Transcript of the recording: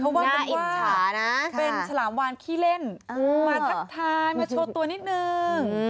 เขาบอกเป็นว่าเป็นฉลามวานขี้เล่นมาทักทายมาโชว์ตัวนิดหนึ่ง